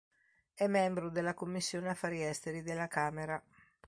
È membro della Commissione Affari Esteri della Camera.